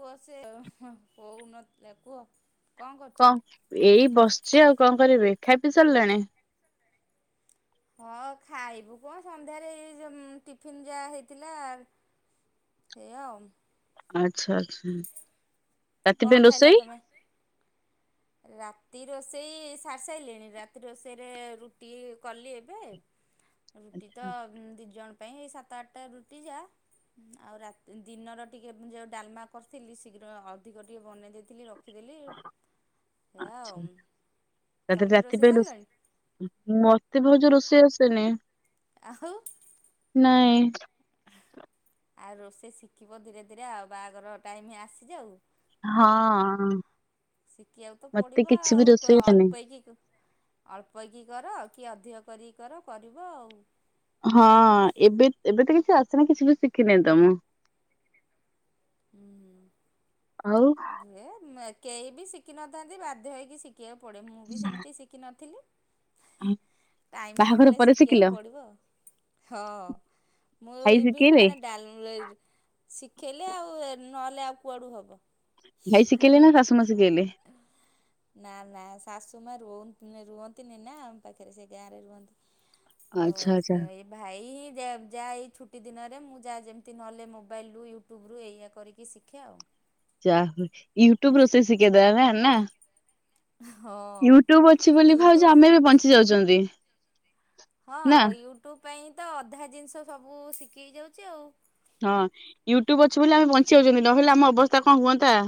କୁହସେ ହଉ ହଉନ ଲ କୁହ? କଣ କରୁଛ? କଣ ଏଇ ବସିଛି ଆଉ କଣ କରିବି ଖାଇ ପି ସାରିଲଣି। ହଁ ଖାଇବୁ କଣ ସନ୍ଧ୍ୟାରେ ଏଇ ଟିଫିନ୍ ଯାହା ହେଇଥିଲା। ସେଇଆ ଆଉ। ଆଛା ଆଛା। କଣ ଖାଇଲ ତମେ? ରାତି ରୋଷେଇ ସାରି ସାରିଲିଣି ରାତି ରୋଷେଇରେ ରୁଟି କଲି ଏବେ? ରୁଟି ଆଚ୍ଛା ତ ଦି ଜଣ ପାଇଁ ଏଇ ସାତ ଆଠଟା ରୁଟି ଯା। ଆଉ ରାତ ଦିନର ଟିକେ ଯୋଉ ଡାଲମା କରିଥିଲି। ଶୀଘ୍ର ଅଧିକ ଟିକେ ବନେଇ ଦେଇଥିଲି। ରଖି ଦେଲି। ଆଛା ତାହରେ ରାତି ରୋଷେଇ ପାଇଁ ସାରିଲଣି ରୋଷେଇ ମ ଭାଉଜ ରୋଷେଇ ଆସେନି ଆଉ ନାଇଁ। ଆଉ ରୋଷେଇ ଶିଖିବ ଧୀରେ ଧୀରେ ଆଉ ବାହାଘର ଟାଇମ୍ ଆସିଯାଉ। ହଁ। ଶିଖି ଆକୁ ତ ମତେ ପଡିବ। କିଛି ବି ଆଉ ରୋଷେଇ ଆସେନି। ଅଳ୍ପେଇକି ଅଳ୍ପଇକି କର। କି ଅଧିକ କରିକି କର କରିବ ଆଉ। ହଁ ଏବେ ଏବେ ତ କିଛି ଆସନି କିଛି ବି ଶିଖିନି ତ ମୁଁ। ଉଁ ହୁଁ। ଆଉ ହେ କେହି ବି ଶିଖିନଥାନ୍ତି ବାଧ୍ୟ ହେଇକି ଶି କିଏ ପଡ଼େ ମୁଁ ବି ସେମିତି ଶିଖିନଥିଲି। ହେ ଟାଇମ ବାହାଘର ପଡିଲେ ପରେ ଶିଖିଲ ଶିଖିବାକୁ ପଡିବ। ହଁ। ମୁଁ ଭାଇ ଇଭିନ୍ ଶିଖେଇଲେ ମାନେ ଡାଲ ଶିଖେଇଲେ ଆଉ ନହେଲେ ଆଉ କୁଆଡୁ ହବ। ଭାଇ ସିକେଇଲେ ନା ଶାସୁମା ସିକେଇଲେ। ରୁହନ୍ ରୁହନ୍ତିନି ନା ଆମ ପାଖରେ ସେ ଗାଁରେ ରୁହନ୍ତି। ତ ଆଚ୍ଛା ଆଚ୍ଛା ସେ ଏ ଭାଇ ଯା ଯା ଏଇ ଛୁ ଗୋଟିଏ ଦିନରେ ମୁଁ ଯାହା ଯେମିତି ନହେଲେ ମୋବାଇଲରୁ, ୟୁଟ୍ୟୁବରୁ ଏଇଆ କରିକି ଶିଖେ ଆଉ। ଚା ହୁଏ ୟୁଟ୍ୟୁବ ରୋଷେଇ ଶିଖେଇ ଦେଲାନା ନା। ହଁ ୟୁଟ୍ୟୁବ ଅଛି ବୋଲି ଭାଉଜ ୟୁଟ୍ୟୁବ୍ ଆମେ ବି ବଞ୍ଚି ଯାଉଚନ୍ତି। ହଁ ଆଉ ୟୁଟ୍ୟୁବ ପାଇଁ ତ ଅଧା ଜିନିଷ ସବୁ ଶିକିହେଇ ଯାଉଛି ଆଉ। ହଁ ୟୁଟ୍ୟୁବ ଅଛି ବୋଲି ଆମେ ବଞ୍ଚି ଯାଉଚନ୍ତି। ନହେଲେ ଆମ ଅବସ୍ଥା କଣ ହୁଅନ୍ତା?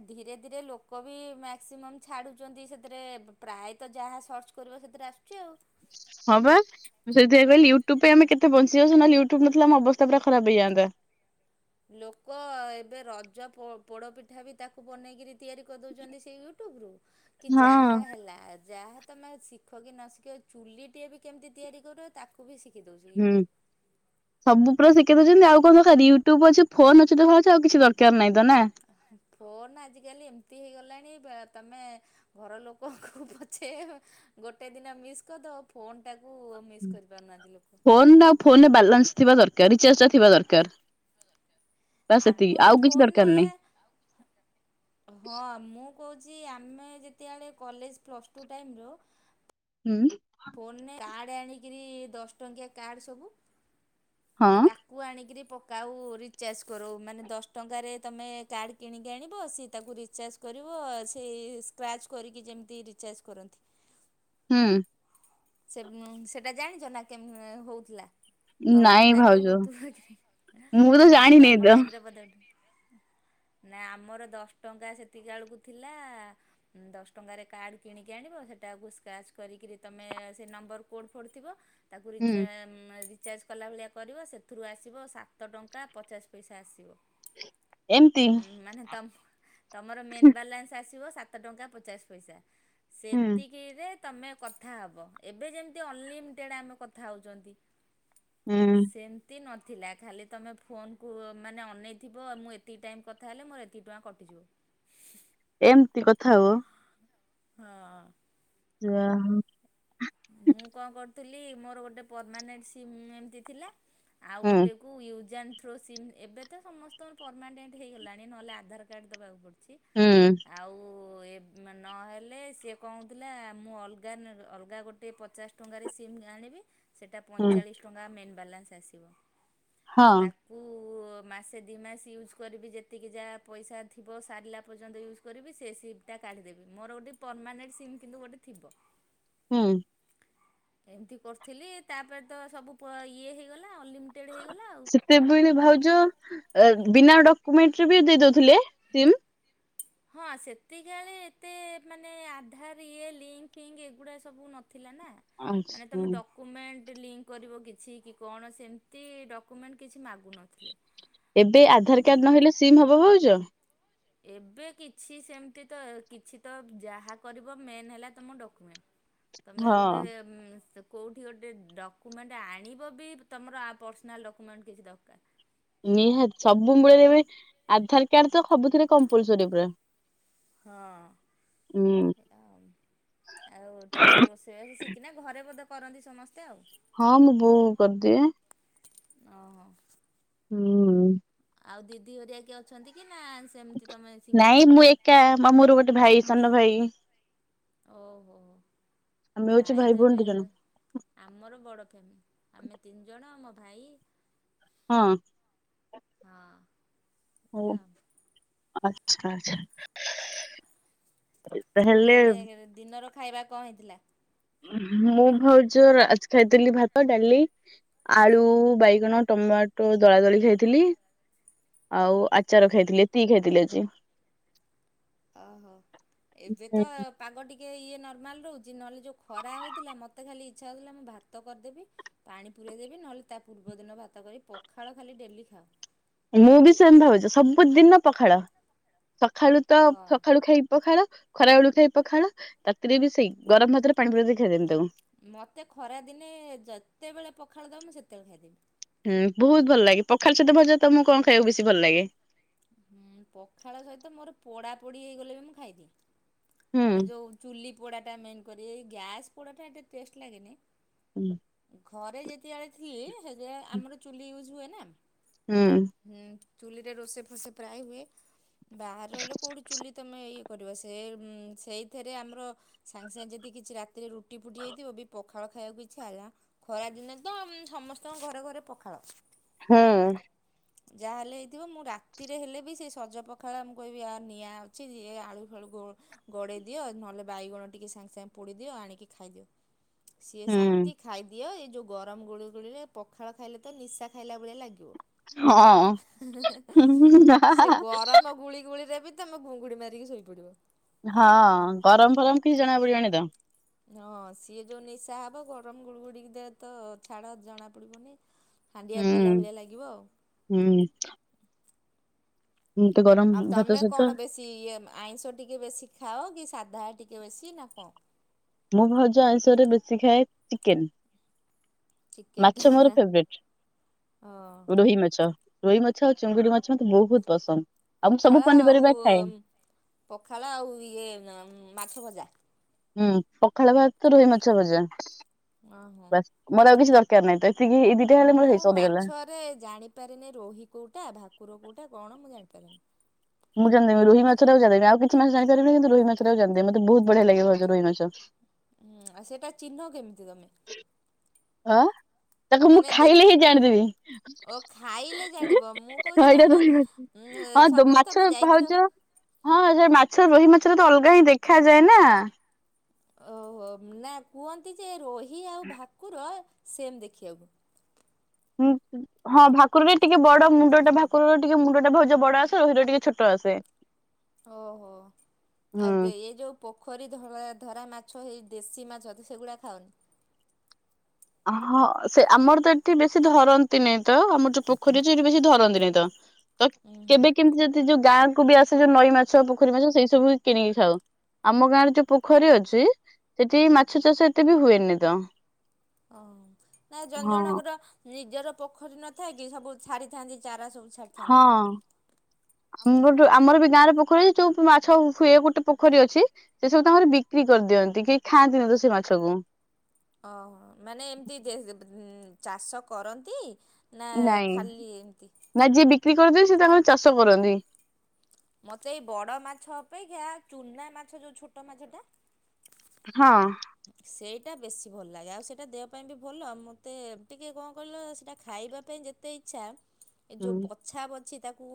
ଆ ଧୀରେ ଧୀରେ ଲୋକ ବି ମାକ୍ସିମମ୍ ଛାଡୁଚନ୍ତି। ସେଥିରେ ପ୍ରାୟତ ଯାହା ସର୍ଚ୍ଚ କର ସେଥିରେ ଆସୁଚି ଆଉ। ହଁ ପା ସେଥିପାଇଁ କହିଲି ୟୁଟ୍ୟୁବ ପାଇଁ ଆମେ କେତେ ବଞ୍ଚି ଯାଉଚୁ। ୟୁଟୁବ ନଥିଲା ଆମ ଅବସ୍ଥା ପୁରା ଖରାପ ହେଇଯାନ୍ତା। ଲୋକ ଏବେ ରଜ ପୋ ପୋଡ ପିଠା ବି ତାକୁ ବନେଇକିରି ତିଆରି କରିଦଉଛନ୍ତି ସେ ୟୁଟ୍ୟୁବରୁ। କି ଯାହା ହଁ। ହେଲା। ଯାହା ତମେ ଶିଖ କି ନ ଶିଖ। ଚୁଲି ଟିଏ ବି କେମିତି ତିଆରି କରୁଅ ତାକୁ ବି ଶି ହୁଁ ସବୁ ପୁରା ଶିଖେଇ ଦଉଚନ୍ତି ଆଉ। କଣ ଦରକାର ୟୁଟ୍ୟୁବ ଅଛି ଫୋନ ଅଛି। ତ ଭାଉଜ ଆଉ କିଛି ଦରକାର ନାହିଁ। ତ ନା ଫୋନ୍ ଆଜିକାଲି ଏମିତି ହେଇଗଲାଣି ବା ତମେ ଘର ଲୋକଙ୍କୁ ପଛେ ଗୋଟେ ଦିନ ମିସ୍ କରିଦବ। ଫୋନଟା ଫୋନଟା ଆଉ ଫୋନରେ ବାଲାନ୍ସ ଥିବା ଦରକାର। ରିଚାର୍ଜ ଟା ଥିବା ଦରକାର। ବାସ୍ ସେତିକି ଆଗୁରୁ ଆଉ କିଛି ଦରକାର ଫୋନରେ ନାହିଁ। ହଁ ମୁଁ ମୁଁ କହୁଛି ଆମେ ଯେତେବେଳେ କଲେଜ ପ୍ଲସ୍ ଟୁ ଟାଇମରୁ ହୁଁ। ଫୋନରେ କାର୍ଡ ଆଣିକିରି ଦଶ ଟଙ୍କିଆ କାର୍ଡ ସବୁ ହଁ ତାକୁ ଆଣିକିରି ପ କାଉ ରିଚାର୍ଜ କରଉ ମାନେ ଦଶ ଟଙ୍କାରେ ତମେ କାର୍ଡ଼ କିଣିକି ଆଣିବ ସିଏ ତାକୁ ରିଚାର୍ଜ କରିବ। ସେଇ ସ୍କାର୍ଚ କରିକି ଯେମତି ରିଚାର୍ଜ କରନ୍ତି। ହୁଁ। ସେ ମ ସେଟା ଜାଣିଛ ନା କେମ ହଉଥିଲା? ତମ ନାଇଁ ଟାଇମରେ ଭାଉଜ ହଉଥିବ କି ମୁଁ ତ ଆଉ ଜାଣିନି ତମ ତ ଟାଇମରେ ବୋଧେ ଗୋ ହଁ [inaudible] ନା ଆମର ଦଶ ଟଙ୍କା ସେତିକି ବେଳକୁ ଥିଲା ଦଶ ଟଙ୍କାରେ କାର୍ଡ କିଣିକି ଆଣିବ ସେଟାକୁ ସ୍କାର୍ଚ କରିକି ତମେ ସେ ନମ୍ବର କୋଡ୍ ଫୋଡ ଥିବ ତାକୁ ରିଚା ହୁଁ। ମ ରିଚା ରିଚାର୍ଜ କଲା ଭଳିଆ କରିବ ସେଥିରୁ ଆସିବ ସାତ ଟଙ୍କା ପଚାଶ ପଇସା ଆସିବ। ଏମିତି ହୁଁ ମାନେ ତମ ତମର ମେନ୍ ବାଲାନ୍ସ ଆସିବ ସାତ ଟଙ୍କା ପଚାଶ ପଇସା। ହୁଁ ସେତିକିରେ ତମେ କଥା ହବ ଏବେ ଯେମିତି ଅନଲିମିଟେଡ଼୍ ଆମେ କଥା ହଉଛନ୍ତି ହୁଁ ସେମତି ନ ଥିଲା ଖାଲି ତୁମେ ଫୋନକୁ ମାନେ ଅନେଇଥିବ, ମୁଁ ଏତିକି ଟାଇମ୍ କଥା ହେଲେ ମୋର ଏତିକି ଟଙ୍କା କଟିଯିବ। ଏମତି କଥା ହୁଅ। ହଁ। ଯା ହଉ। ମୁଁ କଣ କରୁଥିଲି ମୋର ଗୋଟେ ପରମାନେଣ୍ଟ ସିମ୍ ଏମତି ଥିଲା ଆଉ ହୁଁ ଗୋଟେ କୁ ୟୁଜ ଆଣ୍ଡ ଥ୍ରୋ ସିମ୍ ଏବେ ତ ସମସ୍ତଙ୍କ ପରମାନେଣ୍ଟ ହେଇଗଲାଣି ନହେଲେ ଆଧାରକାର୍ଡ ଦବାକୁ ପଡୁ ଚି ହୁଁ ଆଉ ମ ନହେଲେ ସିଏ କଁ ହଉଥିଲା ମୁଁ ଅଲଗା ଅଲଗା ଗୋ ଗୋଟିଏ ପଚାଶ ଟଙ୍କାରେ ସିମ୍ ଆଣିବି ସେଇଟା ହୁଁ। ପଇଁଚାଳିଶ ଟଙ୍କା ମେନ୍ ବାଲାନ୍ସ ଆସିବ। ହଁ ତାକୁ କୁ ମାସେ ଦୁଇ ମାସ ୟୁଜ୍ କରିବି ଯେତିକି ଯାହା ପଇସା ଥିବ ସାରିଲା ପର୍ଯ୍ୟନ୍ତ ୟୁଜ୍ କରିବି ସେ ସିମ୍ ଟା କାଢିଦେବି ମୋର ଗୋଟେ ପରମାନେଣ୍ଟ ସିମ୍ କିନ୍ତୁ ଗୋଟେ ଥିବ। ହୁଁ। ଏମତି କରୁଥିଲି, ତାପରେ ତ ସବୁ ଇଏ ହେଇଗଲା ଅନଲିମିଟେଡ଼୍ ହେଇଗଲା ଆଉ। ସେତେବେଳେ ଭାଉଜ ବିନା ଡକ୍ୟୁମେଣ୍ଟରେ ବି ଦେଇ ଦଉଥିଲେ ସିମ୍। ହଁ ସେତିକିବେଳେ ଏତେ ମାନେ ଆଧାର ଇଏ ଲିଙ୍କ ଫିଙ୍କ ଏଗୁଡା ସବୁ ନ ଥିଲା ନା ମାନେ ଆଚ୍ଛା। ତମେ ଡକୁୁମେଣ୍ଟ ଲିଙ୍କ କରିବ କିଛି କି କଣ ସେମିତି ଡକ୍ୟୁମେଣ୍ଟ କିଛି ମାଗୁ ନଥିଲେ। ଏବେ ଆଧାର କାର୍ଡ ନହେଲେ ସିମ୍ ହବ ଭାଉଜ? ଏବେ କିଛି ସେମତି ତ କିଛି ତ ଯାହା କରିବ ମେନ୍ ହେଲା ତମ ଡକ୍ୟୁମେଣ୍ଟ। ତମେ ହଁ। ଗୋଟେ ୟୁମ୍ କୋଉଠି ଗୋଟେ ଡକୁମେଣ୍ଟ ଆଣିବ ବି ଆବ ତମର ପର୍ସନାଲ ଡକ୍ୟୁମେଣ୍ଟ କିଛି ଦରକାର। ନିହାତି ସବୁ ମୂଳରେ ଏବେ ଆଧାରକାର୍ଡ ତ ସବୁଥିରେ କମ୍ପଲସରୀ ପୁରା। ହଁ। ହୁଁ। ଆଉ ତମେ ରୋଷେଇ ବାସ ଶିଖିନା ଘରେ ବୋଧେ କରନ୍ତି ସମସ୍ତେ ଆଉ। ହଁ ମୋ ବୋଉ କରିଦିଏ। ଅ ହୋ। ହୁଁ। ଆଉ ଦିଦି ହରିଆ କି ଅଛନ୍ତି କି? ନା ସେମିତି ତମେ ସିଙ୍ଗିଲ୍? ନାଇଁ ମୁଁ ଏକା ମୋର ଗୋଟେ ଭାଇ ସାନ ଭାଇ। ଓ ହୋ। ଆମେ ହଉଛୁ ପ୍ରାୟ ଭାଇ ତ ଭଉଣୀ ଦି ଜଣ ଏବେ ଆମର ବଡ ଫ୍ୟାମିଲି ଆମେ ତିନିଜଣ ଆମ ଭାଇ। ହଁ। ହଁ। ହଉ ପୁରା ଆଉ ଆଚ୍ଛା ଆଚ୍ଛା। ଆଉ ତାହେଲେ ଦିନର ଖାଇବା କଣ ହେଇଥିଲା? ମୁଁ ଭାଉଜ ଆଜି ଖାଇଥିଲି ଭାତ, ଡାଲି, ଆଳୁ, ବାଇଗଣ ଟମାଟୋ ଟମାଟୋ ଦଳା ଦଳି ଖାଇଥିଲି ଆଉ ହୁଁ ଆଚାର ହୁଁ। ଖାଇଥିଲି ଏତିକି ଖାଇଥିଲି ଆଜି। ଓ ହୋ ଏବେ ତ ପାଗ ଟିକେ ଟିକେ ଇଏ ନର୍ମାଲ ରହୁଛି ନହେଲେ ଯାଉ ଖରା ହଉଥିଲା ମୋତେ ଖାଲି ଇଚ୍ଛା ହଉଥିଲା ମୁଁ ଭାତ କରିଦେବି ପାଣି ପୁରେଇ ଦେବି ନହେଲେ ତା ପୂର୍ବ ଦିନ ଭାତ କରି ପଖାଳ ଖାଲି ଡେଲି ଖାଉ। ମୁଁ ବି ସେମିତି ଭାବୁଛି ସବୁଦିନ ପଖାଳ ସଖାଳୁ ତ ହଁ ସକାଳୁ ଖାଇବି ପଖାଳ ଖରାବେଳୁକୁ ଖାଇବି ପଖାଳ ରାତିରେ ବି ସେଇ ଗରମ ଭାତରେ ପାଣି ପୁରେଇ ଦେଇ ଖାଇଦେବି ତାକୁ। ମତେ ଖରା ଦିନେ ଯେତେବେଳେ ପଖାଳ ଦେବ ମୁଁ ସେତେବେଳେ ଖାଇଦେବି। ହୁଁ ବହୁତ ଭଲ ଲାଗେ ପଖାଳ ସହିତ ଭଜା ତ ମୁଁ କଣ ଖାଇବାକୁ ବେଶୀ ଭଲ ଲାଗେ? ହୁଁ ପଖାଳ ସହିତ ମୋର ପୋଡା ପୋଡି ହେଇଗଲେ ବି ମୁଁ ହୁଁ ଖାଇଦିଏ। ଏ ଯୋଉ ଚୁଲି ପୋଡା ଟା ମେନ୍ କରି ଏଇ ଗ୍ୟାସ ପୋଡାଟା ଏ ଟେଷ୍ଟ୍ ଲାଗେନି ହୁଁ ଘରେ ଯେତେବେଳେ ଥିଲି ସେ ଆମର ଚୁଲି ୟୁଜ୍ ହୁଏ ନା ହୁଁ। ହୁଁ ଚୁଲିରେ ରୋଷେଇ ଫୋସେଇ ପ୍ରାୟ ହୁଏ ବାହାରେ ରହିଲେ କେଉଁଠି ଚୁଲି ତୁମେ ଏଇ ସେ ସେଇଥିରେ ଆମର ସାଙ୍ଗେ ସାଙ୍ଗେ ଯଦି କିଛି ରାତିରେ ରୁଟି ଫୁଟି ହେଇଥିବ ବି ପଖାଳ ଖାଇବାକୁ ଇଛି ହେଲାା ଖରା ଦିନେ ତ ସମସ୍ତଙ୍କ ଘରେ ଘରେ ପଖାଳ ହୁଁ। ଯାହାହେଲେ ହେଇଥିବ ମୁଁ ରା ରେ ହେଲେ ବି ସେ ସଜ ପଖାଳ କହିବି ଆ ନିଆଁ ଅଛି ଆଳୁଳୁ ଗଡ଼େଇ ଦିଅ ନ ତାଲେ ବାଇଗଣ ଟିକେ ସାଙ୍ଗେ ସାଙ୍ଗେ ପୋଡ଼ିଦିଅ ଆଣିକି ଖାଇଦିଅ। ସିଏ ଶାନ୍ତି ଖାଇଦିଅ ଏ ଯୋଉ ଗରମ ଗୁଳୁ ଗୁଳିରେ ପଖାଳ ଖାଇଲେ ତ ନିଶା ଖାଇଲା ଭଳିଆ ଲାଗିବ। ହଁ। ସିଏ ଗରମ ଗୁଳି ଗୁଳି ରେ ବି ତମ ଗୁଙ୍ଗୁଡି ମାରିକି ଶୋଇପଡିବ। ହଁ ଗରମ ଫରମ କିଛି ଜଣା ପଡିବଣିି ତ। ହଁ ସିଏ ଯୋଉ ନିଶା ହବ ଗରମ ଗୁଳୁ ଗୁଡିକି ଦେ ତ ଛାଡ ଜଣା ପଡିବନି। ହାଣ୍ଡିଆ ପିଇଲା ହୁଁ ଭଳିଆ ଲାଗିବ ଆଉ। ହୁଁ। ମତେ ଗରମ ଆଉ ଭାତ ତମେ ସହିତ କଣ ବେଶୀ ଇଏ ଆଇଁଷ ଟିକେ ବେଶୀ ଖାଅ କି ସା ଧା ଟିକେ ବେଶି ନ କଣ? ମୁଁ ଭଜା ଆଇଁଷରେ ବେଶି ଖାଏ ଚିକେନ। ଚିକେନ ଟା ମାଛ ମୋର ହଁ ଫେବରେଟ ରୋହି ମାଛ। ରୋହି ମାଛ ଆଉ ଚିଙ୍ଗୁଡି ମାଛ ମତେ ବହୁତ ପସନ୍ଦ। ଆଉ ମୁଁ ସବୁ ପଖାଳ ଆଉ ପନିପରିବା ଖାଏ ପଖାଳ ଆଉ ଇଏ ମାଛ ଭଜା ହୁଁ ପଖାଳ ଭାତ ତ ରୋହି ମାଛ ଭଜା ଓହୋ। ବାସ୍ ମୋର ଆଉ କିଛି ଦରକାର ନାହିଁ ତ। ଏତିକି ଏଇ ଦିଟା ହେଲେ ମୋର ମୁଁ ହେଇ ସରିଗଲା। ମାଛରେ ଜାଣିପାରେନି, ରୋହି କୋଉଟା ଭାକୁର କୋଉଟା କଣ ମୁଁ ଜାଣିନି। ପ [inaudible] ମୁଁ ଜାଣିଦେବି ରୋହି ମାଛଟାରେ ଜାଣି ଦେବି ଆଉ କିଛି ମାଛ ଜାଣିପାରିବିନି କିନ୍ତୁ ରୋହି ମାଛଟାକୁ ଜାଣି ଦେବି ମତେ ବହୁତ ବଢିଆ ଲାଗିବଉ ରୋହି ମାଛ ହଁ ଆ ସେଇଟା ଚିହ୍ନ କେମିତି ତମେ? ଆଁ। ତାକୁ ମୁଁ ମାନେ ହଁ ଦେଖ ଓ ଖାଇଲେ ଜାଣିବ ମୁଁ କହୁଛି ଧନ୍ୟ ସପୋଜ ତମେ ମାଛ ଯାଇଥିବ ଭାଉଛ ହଁ ମାଛ ବହି ମାଛରେ ତ ଅଲ କାହିଁ ଦେଖାଯାଏ ନା। ଓହୋ ନା କୁହନ୍ତି ଯେ ରୋହି ଆଉ ଭାକୁର ସେମ୍ ଦେଖିବାକୁ। ହୁ ହଁ ଭାକୁରରେ ଟିକେ ବଡ ମୁଣ୍ଡ ଟା ଭାକୁରର ଟିକେ ମୁଣ୍ଡ ଟା ଭାଉଜ ବଡ ଆସେ ରୋହିର ଟିକେ ଛୋଟ ଆସେ। ସେ। ଓହୋ ଆଉ ଏ ଯୋଉ ପୋଖରୀ ଧ ଧରା ମାଛ। ମାଛ ଦେଶୀ ମାଛ ସେଗୁଡାକ ଖାଉନି। ହଁ ସେ ଆମର ତ ଏଠି ବେଶୀ ଧରନ୍ତି ନାଇଁ ତ ଆମର ଯୋଉ ପୋଖରୀ ଅଛି ସେଠି ବେଶୀ ଧରନ୍ତି ନାଇଁ ତ। ତ ଉଁ ହୁଁ କେବେ କେମିତି ଯଦି ଯୋଉ ଗାଁକୁ ବି ଆସେ ଯୋଉ ନଈ ମାଛ ପୋଖରୀ ମାଛ ସେଇ ସବୁ କିଣିକି ଖାଉ। ଆମ ଗାଁରେ ଯୋଉ ପୋଖରୀ ଅଛି ସେଠି ମାଛ ଚାଷ ଏତେ ବି ହୁଏନି ତ। ଓ ନାଇ ଜଣ ହଁ ଜଣଙ୍କର ନିଜର ପୋଖରୀ ନଥାଏ କି ସବୁ ଛାଡିଥାନ୍ତି ଚାରା ସବୁ ହଁ ଛାଡ଼ିଥାନ୍ତି। ଆମରଠ ଆମର ବି ଗାଁରେ ପୋଖରୀରେ ଯୋଉ ମାଛ ହୁଏ ଗୋଟେ ପୋଖରୀ ଅଛି ସେ ସବୁ ତାଙ୍କର ବିକ୍ରି କରିଦିଅନ୍ତି କି ଖାଆନ୍ତି ତ ସେ ମାଛ କୁ। ଓହୋ ମାନେ ଏମତି ଚାଷ କରନ୍ତି। ନା ଖାଲି ଏମିତି? କରିଦିଏ ସେ ତାଙ୍କର ଚାଷ କରନ୍ତି। ମତେ ଏଇ ବଡ଼ ମାଛ ଅପେକ୍ଷା ଚୁନା ମାଛ ଯୋଉ ଛୋଟ ମାଛଟା ହଁ ସେଇଟା ବେଶୀ ଭଲ ଲାଗେ ଆଉ ସେଇଟା ଦେହ ପାଇଁ ବି ଭଲ ଆଉ ମତେ ଟିକେ କଣ କହିଲ ସେଇଟା ଖାଇ ପାଇବା ପାଇଁ ଯେତେ ଇଚ୍ଛା ଏ ଯୋଉ ବଛା ବଛି ତାକୁ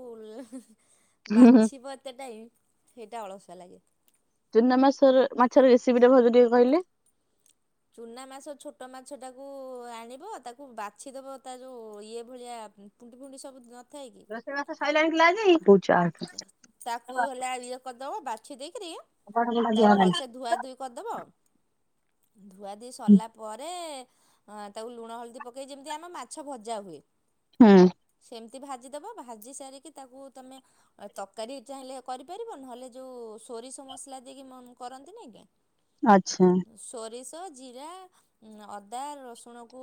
ହୁଁ ବାଛିବ ଏତେ ଟାଇମ ସେଇଟା ଅଳସୁଆ ଲାଗେ। ଚୁନା ମାଛ ମାଛର ରେସିପି ଟା ଭାଉଜ ଟିକେ କହିଲେ? ଚୁନା ମାଛ ଛୋଟ ମାଛ ଟାକୁ ଆଣିବ ତାକୁ ବାଛିଦବ ତା ଯୋଉ ଇଏ ଭଳିଆ ପୁଣ୍ଟି ଫୁଣ୍ଟି ସବୁ [inaudible] ରୋଷେଇ ବାସ ସଇଲାଣି କିଲୋ ଆଜି? ତାକୁ ହେଲେ ଇଏ କରିଦବ ବାଛି ଦେଇକି ଦିଆହେଲାଣି। ଭଲସେ ଧୁଆ ଧୋଇ କରିଦବ। ଧୁଆଧୋଇ ସରିଲା ପରେ ତାକୁ ଲୁଣ ହଳଦୀ ପକାଇ ଯେମିତି ଆମ ମାଛ ଭଜା ହୁଏ। ହୁଁ କେମିତି ଭାଜିଦବ ଭାଜି ସାରିକି ତାକୁ ତମେ ତରକାରୀ ଚାହିଁଲେ କରିପାରିବ ନହେଲେ ଯୋଉ ସୋରିଷ ମସଲା ଦେଇକି କରନ୍ତିନି କି ତ ଆଚ୍ଛା ଜିରା, ଅଦା, ରସୁଣକୁ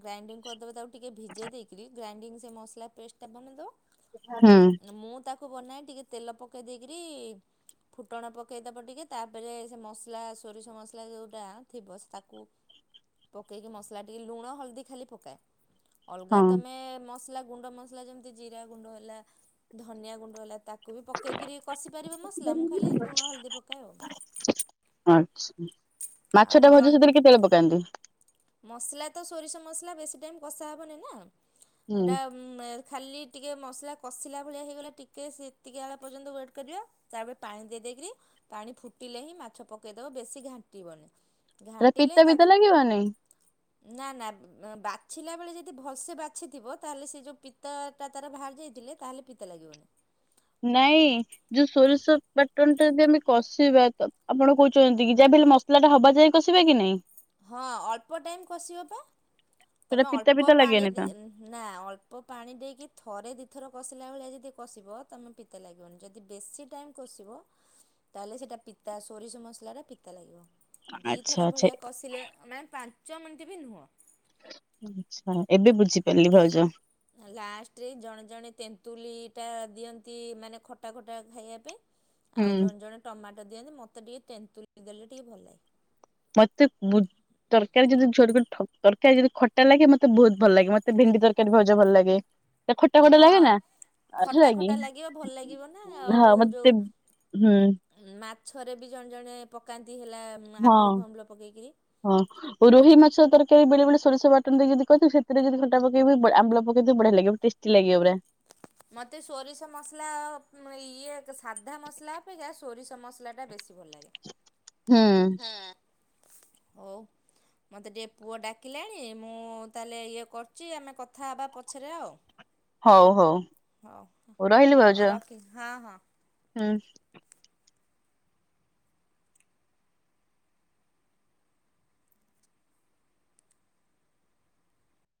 ଗ୍ରାଇଣ୍ଡିଙ୍ଗ କରିଦବ ତା ଟିକେ ଭିଜେଇ ଦେଇକିରି ଗ୍ରାଇଣ୍ଡିଙ୍ଗ ସେ ମସଲା ପେଷ୍ଟ ଟା ବନେଇଦବ। ହୁଁ। ବନାଇ ଟିକେ ତେଲ ପକେଇ ଦେଇକିରି ଫୁଟଣ ପକାଇଦେବ ଟିକେ ତାପରେ ସେ ମସଲା ସୋରିଷ ମସଲା ଯେଉଁଟା ଥିବ ତାକୁ ପକେଇକି ମସଲା ଟିକେ ଲୁଣ ହଳଦୀ ଖାଲି ପକାଏ। ଅଲଗା ହଁ ତମେ ମସଲା ଗୁଣ୍ଡ ମସଲା ଯେମତି ଜିରା ଗୁଣ୍ଡ ହେଲା ଧନିଆ ଗୁଣ୍ଡ ହେଲା ତାକୁ ତାକୁ ବି ପକେଇକିରି କଷି ପାରିବ ମସଲା ମୁଁ ଖାଲି ଲୁଣ ହଳଦୀ ପକାଏ ଆଉ ଆଚ୍ଛା ମାଛ ଆଉ ଟା ଜଣ ଭଜା ସେଥିରେ କେତେ ତେଲ ପକାନ୍ତି? ମସଲା ତ ସୋରିଷ ମସଲା ବେଶୀ ଟାଇମ୍ କଷା ହେବନି ନା। ହୁଁ ଏଇଟା ଖାଲି ଟିକେ ମସ ଲା କସିଲା ଭଳି ହେଲେ ଟିକେ ୱେଟ କରିବ ପାଣି ଦେଇକିରି ଫୁଟିଲେ ହିଁ ମାଛ ପକାଇଦେବ ବେଶୀ ଘାଣ୍ଟିବନି। ତା ପିତା ପିତା ଲାଗିବ ନାଇଁ ଁ [inaudible] ନା ନା ବାଛିଲା ବେଳେ ଯଦି ଭଲସେ ବାଛିଥିବ। ତାହେଲେ ସେ ଯୋଉ ପିତା ଟା ତାର ବାହାରି ଯାଇଥିଲେ ତାହଲେ ପିତା ଲାଗିବନି ନାଇଁ ଯୋଉ ସୋରିଷ ପାଟଣ ଟା ଯଦି ଆମେ କଷିବା ତ ଆପଣ କୋହୁଚନ୍ତି କି ଯ ମସଲା ଟା ହବା ଯାଇ କସିବେ କି ନାଇଁ ହଁ ଅଳ୍ପ ଟାଇମ୍ କଷିିବ ବା ସେଟା ତମେ ପିତା ଅଳ୍ପ ପିତା ପାଣି ଲାଗେନି ତ? ନା ଅଳ୍ପ ପାଣି ଦେଇକି ଥରେ ଦିଇଥର କଷିଲା ଭଳିଆ ଯଦି କଷିବ ତମେ ପିତା ଲାଗିବନି ଯଦି ବେଶୀ ଟାଇମ୍ କଷିବ ତାହେଲେ ସେଇଟା ପିତା ସୋରିଷ ମସଲା ଟା ପିତା ଲାଗିବ ଦୁଇଥର ଆଛା ଆଛା। ଭଳିଆ କଷିଲେ ମାନେ ପାଞ୍ଚ ମିନିଟ ବି ନୁହଁ ଆଛା ଏବେ ବୁଝ ଲାଷ୍ଟ ରେ ଜଣେ ଜଣେ ତେନ୍ତୁଲି ଖଟା ଦିଅନ୍ତି ମାନେ ଖଟା ଖଟା ଖାଇବା ପାଇଁ ହୁଁ। ଆଉ ଜଣେ ଜଣେ ଟମାଟ ଦିଅନ୍ତି ମୋତେ ଟିକେ ତେନ୍ତୁଲି ଦେଲେ ଟିକେ ଭଲ ଲେ ମତେ ମୁଁ ତରକାରୀ ଯଦି ଝୋ ତରକାରୀ ଯଦି ଖଟା ଲାଗେ ମତେ ବହୁତ ଭଲ ଲାଗେ ମତେ ଭେଣ୍ଡି ତରକାରୀ ଭଜା ଭଲ ଲାଗେ। ତା ଖଟା ଖଟା ଲାଗେ ହଁ। ନା ହେଲା ଖଟା କି ଖଟା ଲାଗିବ ଭଲ ଲାଗିବ ନା ହଁ ଆଉ ମତେ ଯୋଉ ହୁଁ ଛରେ ବି ଜଣେ ଜଣେ ପକାନ୍ତି। ହେଲା ହଁ ଆମ୍ବୁଲ ଫାମ୍ବୁଲ ପକେଇକିରି। ହଁ ରୋହି ମାଛ ତୋର ବବି ବେଳେ ବେଳେ ସୋରିଷ ବାଟଣ ଦେଇକି ଯଦି କରିଥିବୁ। ସେଥିରେ ଯଦି ଖଟା ପକେଇବ ଆମ୍ବୁଲ ପକେଇଦବୁ ବଢିଆ ଲାଗିବ ଟେଷ୍ଟି ଲାଗିବ ପୁରା। ମତେ ସୋରିଷ ମସଲା ଆଉ ଇଏ ସାଧା ମସଲା ଅପେକ୍ଷା ସୋରିଷ ମସଲା ଟା ବେଶୀ ବେଶୀ ଭଲ ଲାଗେ। ହୁଁ। ଆଉ। ମତେ ଟିକେ ପୁଅ ଡାକିଲାଣି ମୁଁ ତାହେଲେ ଇଏ କରୁଛି। ଆମେ କଥା ହେବା ପଛରେ ଆଉ। ହୋଉ ହଉ ହୋଉ ରହିଲି ହଉ ଭାଉଜ ରଖି ହଁ ହଁ। ହୁଁ।